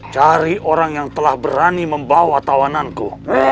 cari orang yang telah berani membawa tawananku